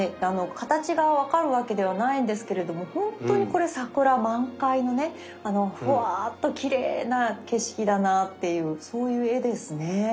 あの形が分かるわけではないんですけれども本当にこれ桜満開のねあのふわっときれいな景色だなっていうそういう絵ですね。